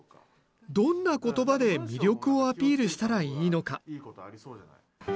どんな言葉で魅力をアピールしたらいいのか。